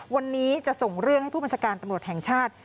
วันนี้จะส่งเรื่องให้ผู้บัญชาการตำรวจแห่งชาติ